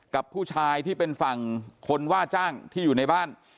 กับผู้ชายที่เป็นฝั่งคนว่าจ้างที่อยู่ในบ้าน